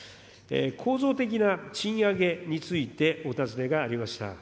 構造的な賃上げについてお尋ねがありました。